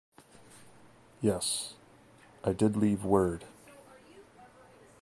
Yes — I did leave word.